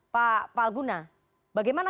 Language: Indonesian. pak palgun bagaimana